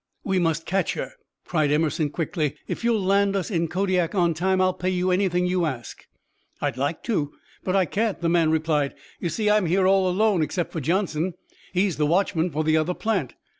"We must catch her," cried Emerson, quickly. "If you'll land us in Kodiak on time I'll pay you anything you ask." "I'd like to, but I can't," the man replied. "You see, I'm here all alone, except for Johnson. He's the watchman for the other plant."